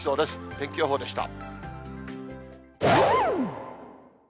天気予報でした。